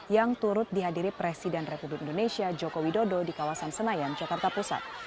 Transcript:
yang turut dihadiri presiden republik indonesia joko widodo di kawasan senayan jakarta pusat